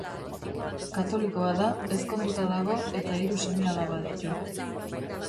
Katolikoa da, ezkonduta dago eta hiru seme-alaba ditu.